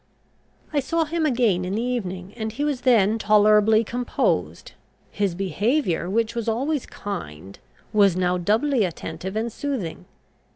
I saw him again in the evening, and he was then tolerably composed. His behaviour, which was always kind, was now doubly attentive and soothing.